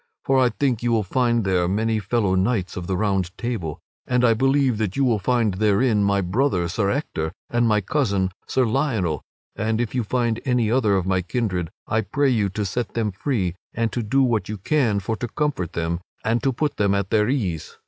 For I think you will find there many fellow knights of the Round Table. And I believe that you will find therein my brother, Sir Ector, and my cousin, Sir Lionel. And if you find any other of my kindred I pray you to set them free and to do what you can for to comfort them and to put them at their ease.